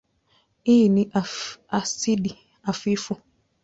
Hii ni asidi hafifu.